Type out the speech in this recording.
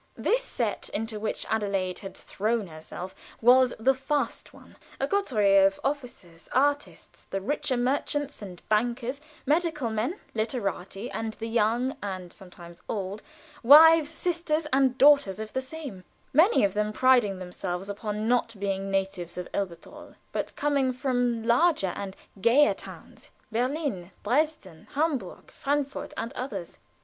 This set into which Adelaide had thrown herself was the fast one; a coterie of officers, artists, the richer merchants and bankers, medical men, literati, and the young (and sometimes old) wives, sisters and daughters of the same; many of them priding themselves upon not being natives of Elberthal, but coming from larger and gayer towns Berlin, Dresden, Hamburg, Frankfurt, and others.